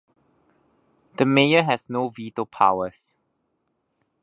The mayor has no veto powers.